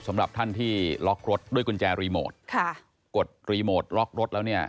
สำหรับท่านที่ล็อกรถด้วยกุญแจรีโมทค่ะกดรีโมทล็อกรถแล้วเนี่ย